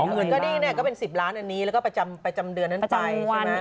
เอาเงินก็ได้นี่ก็เป็น๑๐ล้านอันนี้แล้วก็ประจำเดือนนั้นไป